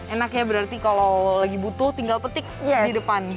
enak ya berarti kalau lagi butuh tinggal petik di depan